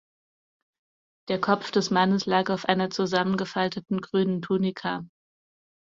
Der Kopf des Mannes lag auf einer zusammengefalteten grünen Tunika.